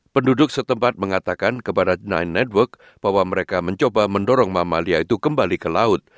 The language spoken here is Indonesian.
penduduk setempat mengatakan kepada nine network bahwa mereka mencoba mendorong mamalia itu kembali ke laut